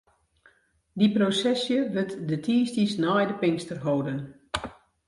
Dy prosesje wurdt de tiisdeis nei de Pinkster holden.